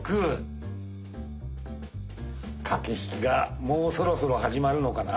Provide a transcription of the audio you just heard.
駆け引きがもうそろそろ始まるのかな。